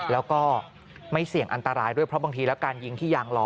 แล้วก็ไม่เสี่ยงอันตรายด้วยเพราะบางทีแล้วการยิงที่ยางล้อ